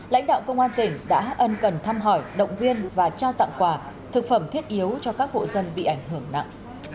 lãnh đạo công an tỉnh đã ân cần thăm hỏi động viên và trao tặng quà thực phẩm thiết yếu cho các hộ dân bị ảnh hưởng nặng